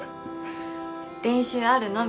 練習あるのみ。